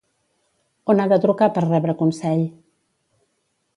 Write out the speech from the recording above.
On ha de trucar per rebre consell?